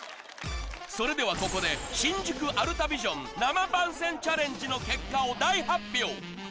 それではここで、新宿アルタビジョン生番宣チャレンジの結果を大発表。